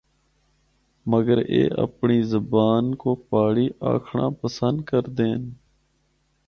مگر اے اپنڑی زبان کو پہاڑی آکھنڑا پسند کردے ہن۔